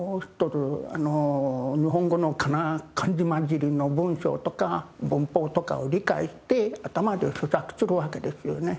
日本語のカナ漢字交じりの文章とか文法とかを理解して頭で咀嚼するわけですよね。